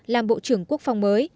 làm bộ trưởng quốc phòng mới